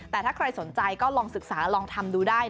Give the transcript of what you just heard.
แต่ถ้าใครสนใจก็ลองศึกษาลองทำดูได้